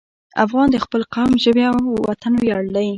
افغان د خپل قوم، ژبې او وطن ویاړ دی.